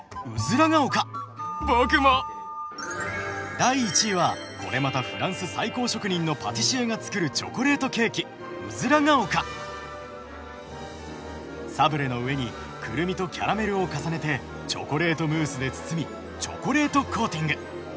第１位はこれまたフランス最高職人のパティシエが作るサブレの上にクルミとキャラメルを重ねてチョコレートムースで包みチョコレートコーティング。